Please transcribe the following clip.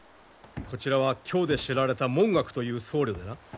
こちらは京で知られた文覚という僧侶でな。